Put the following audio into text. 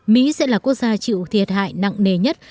mỹ sẽ là quốc gia chịu thiệt hại nặng nề nhất